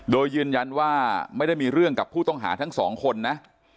โดยยืนยันว่าไม่ได้มีเรื่องกับผู้ต้องหาทั้งสองคนนะ